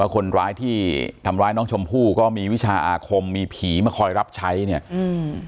คนร้ายที่ทำร้ายน้องชมพู่ก็มีวิชาอาคมมีผีมาคอยรับใช้เนี่ยอืม